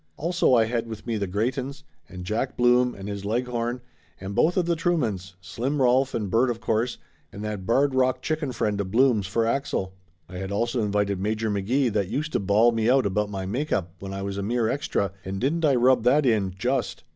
Also I had with me the Greytons, and Jack Blum and his Leghorn, and both of the Truemans, Slim Rolf and Bert of course, and that Barred Rock chicken friend of Blum's for Axel. I had also invited Major McGee that used to bawl me out about my make up when I was a mere extra, and didn't I rub that in, just